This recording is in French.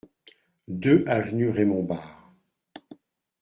deux avenue Raymond Barre